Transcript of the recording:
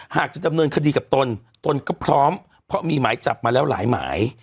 หากจะดำเนินคดีกับตนตนก็พร้อมเพราะมีหมายจับมาแล้วหลายหมาย